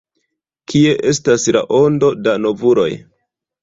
Kie estas la ondo da novuloj?